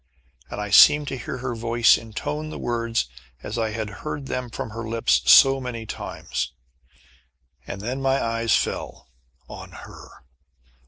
And I seemed to hear her voice intone the words as I had heard them from her lips so many times. And then my eyes fell on her!